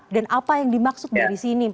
dan apa yang dimaksud dari sini